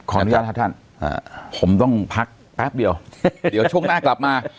อนุญาตครับท่านผมต้องพักแป๊บเดียวเดี๋ยวช่วงหน้ากลับมา